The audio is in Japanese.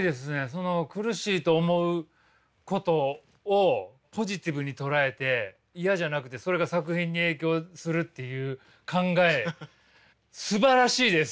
その苦しいと思うことをポジティブに捉えて嫌じゃなくてそれが作品に影響するっていう考えすばらしいです！